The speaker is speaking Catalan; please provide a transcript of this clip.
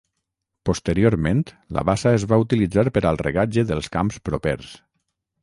Posteriorment, la bassa es va utilitzar per al regatge dels camps propers.